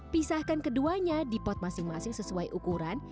pisahkan keduanya di pot masing masing sesuai ukuran